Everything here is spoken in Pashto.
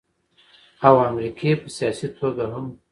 او امريکې په سياسي توګه هم